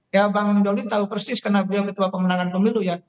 ya bang doli tahu persis karena beliau ketua pemenangan pemilu ya